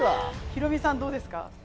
ヒロミさん、どうですか？